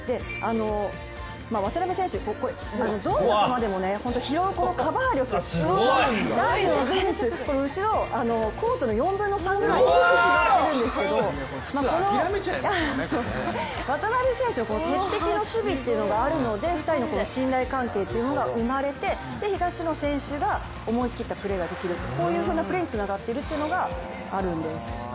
渡辺選手、どんな球でも拾うカバー力、後ろ、コートの４分の３くらい担ってるんですけどこの渡辺選手の鉄壁の守備というのがあるので２人の信頼関係というのが生まれて、東野選手が思い切ったプレーができるこういうふうなプレーにつながっているというのがあるんです。